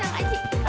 aduh aduh aduh aduh